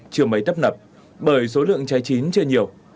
chưa mấy tấp nập bởi số lượng chai chín chưa nhiều